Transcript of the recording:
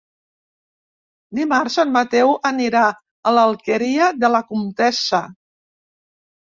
Dimarts en Mateu anirà a l'Alqueria de la Comtessa.